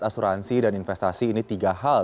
asuransi dan investasi ini tiga hal